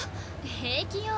平気よ。